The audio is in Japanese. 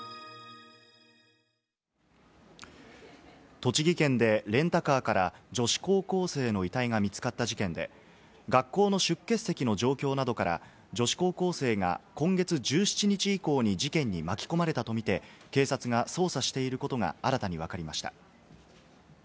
栃木県でレンタカーから女子高校生の遺体が見つかった事件で、学校の出欠席の状況などから、女子高校生が今月１７日以降に事件に巻き込まれたとみて警察が捜査していることが新たにわかりました。